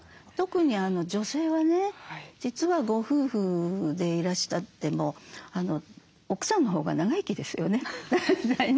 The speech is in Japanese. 特に女性はね実はご夫婦でいらしても奥さんのほうが長生きですよね。